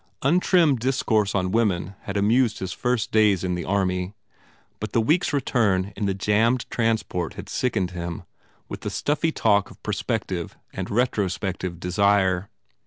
Untrimmed discourse on women had amused his first days in the army. But the weeks return in the jammed transport had sickened him with the stuffy talk of prospective and retrospective desire.